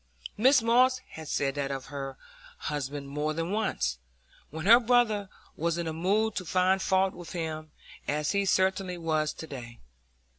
Mrs Moss had said so of her husband more than once, when her brother was in a mood to find fault with him, as he certainly was to day.